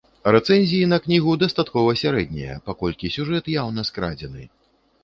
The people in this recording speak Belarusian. Рэцэнзіі на кнігу дастаткова сярэднія, паколькі сюжэт яўна скрадзены.